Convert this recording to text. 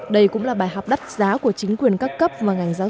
đây cũng là bài học đắt giá của chính quyền các cấp mà ngành giáo dục